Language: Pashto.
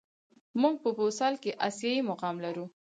موږ په فوسال کې آسیايي مقام لرو.